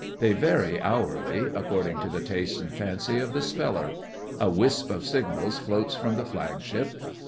They vary hourly, according to the taste and fancy of the speller. A wisp of signals floats from the Flagship.